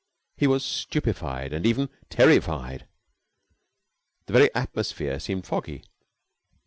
He was stupefied and even terrified. The very atmosphere seemed foggy.